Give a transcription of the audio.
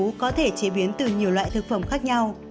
rau cần có thể chế biến từ nhiều loại thực phẩm khác nhau